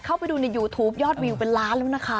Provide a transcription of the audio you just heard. เอาจริงนะตอนนี้เป็นวายรัลจริง